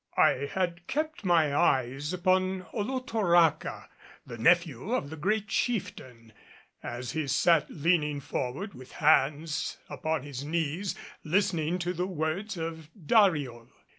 I had kept my eyes upon Olotoraca, the nephew of the great chieftain, as he sat leaning forward with hands upon his knees listening to the words of Dariol.